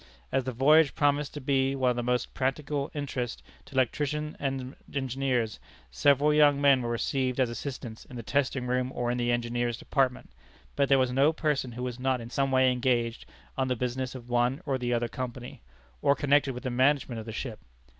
As the voyage promised to be one of the utmost practical interest to electricians and engineers, several young men were received as assistants in the testing room or in the engineers' department; but there was no person who was not in some way engaged on the business of one or the other company, or connected with the management of the ship.